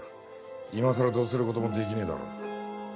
今さらどうする事もできねえだろ。